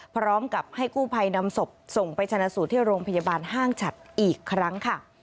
พร้อมกับให้กู้ภัยนำศพส่งไปชนะสูตรที่โรงพยาบาลห้างฉัดอีกครั้งค่ะ